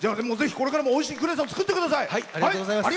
これからも、おいしいクレソンを作ってください。